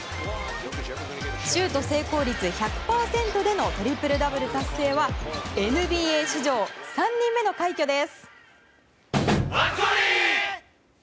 シュート成功率１００％でのトリプルダブル達成はＮＢＡ史上３人目の快挙です。